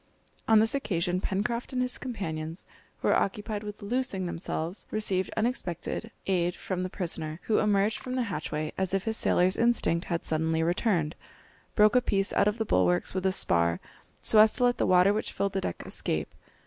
On this occasion Pencroft and his companions, who were occupied with loosing themselves, received unexpected aid from the prisoner, who emerged from the hatchway as if his sailor's instinct had suddenly returned, broke a piece out of the bulwarks with a spar so as to let the water which filled the deck escape.